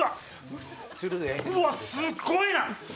うわっすっごいな！